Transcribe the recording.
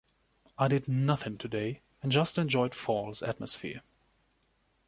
I did nothing today and just enjoyed fall’s atmosphere